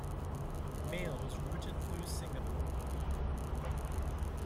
Mail was routed through Singapore.